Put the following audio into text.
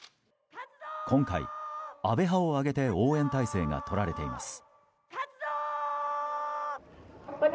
今回、安倍派を挙げて応援態勢がとられています。